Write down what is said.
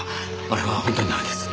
あれは本当にダメです。